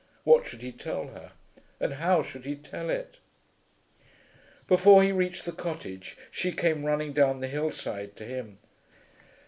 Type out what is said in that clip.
What should he tell her; and how should he tell it? Before he reached the cottage she came running down the hillside to him.